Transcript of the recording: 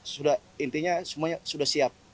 sudah intinya semuanya sudah siap